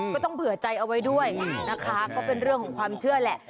ต้องเผื่อใจเอาไว้ด้วยนะคะก็เป็นเรื่องของความเชื่อแหละ